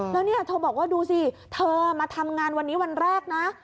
แล้วเนี่ยเธอบอกว่าดูสิเธอมาทำงานวันนี้วันแรกนะ